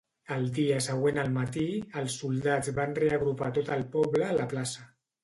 El dia següent al matí, els soldats van reagrupar tot el poble a la plaça.